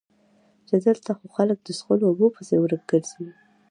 چې دلته خو خلک د څښلو اوبو پسې ورک ګرځي